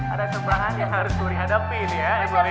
ada cobaan yang harus wuri hadapi nih ya eh wuri